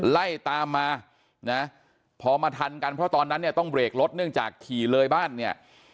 ไล่ตามมานะพอมาทันกันเพราะตอนนั้นเนี่ยต้องเบรกรถเนื่องจากขี่เลยบ้านเนี่ย